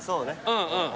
うんうん。